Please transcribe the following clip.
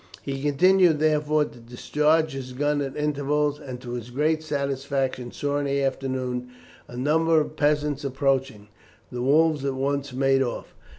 He continued therefore to discharge his gun at intervals, and to his great satisfaction saw in the afternoon a number of peasants approaching. The wolves at once made off.